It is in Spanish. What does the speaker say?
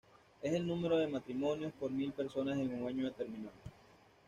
Es el número de matrimonios por mil personas en un año determinado.